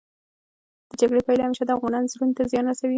د جګړې پايلې همېشه د افغانانو زړونو ته زیان رسوي.